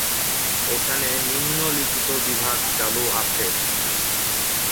এখানে নিম্নলিখিত বিভাগ চালু আছে।